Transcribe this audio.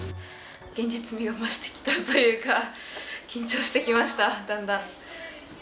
現実味が増してきたというか、緊張してきました、だんだん。